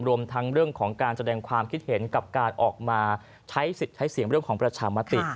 รวมทางเรื่องของการแสดงความคิดเห็นกับการออกมาใช้สิ่งเรื่องของประชามาติ